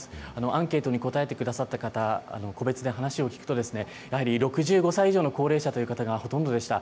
アンケートに答えてくださった方、個別で話を聞くと、やはり６５歳以上の高齢者という方がほとんどでした。